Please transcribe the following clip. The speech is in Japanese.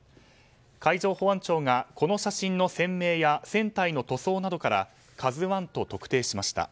海上保安庁がこの写真の船名や船体の塗装などから「ＫＡＺＵ１」と特定しました。